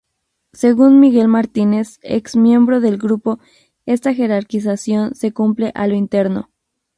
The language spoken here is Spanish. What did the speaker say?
Según Miguel Martínez, ex miembro del grupo, esta jerarquización se cumple a lo interno.